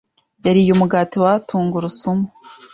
yariye umugati wa tungurusumu.